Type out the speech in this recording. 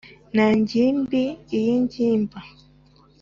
nta ngimbi iyigimba